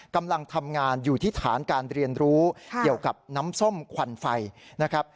กำลังทำงานอยู่ที่ฐานการเรียนรู้เกี่ยวกับน้ำส้มควันไฟนะครับ